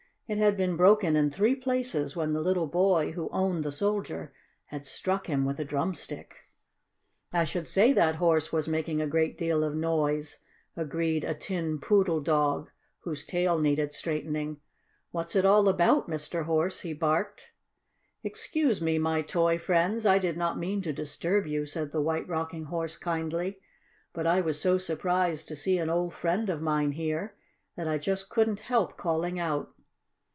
It had been broken in three places when the little boy, who owned the Soldier, had struck him with a drumstick. "I should say that Horse was making a great deal of noise," agreed a Tin Poodle Dog, whose tail needed straightening. "What's it all about, Mr. Horse?" he barked. "Excuse me, my toy friends, I did not mean to disturb you," said the White Rocking Horse kindly. "But I was so surprised to see an old friend of mine here that I just couldn't help calling out."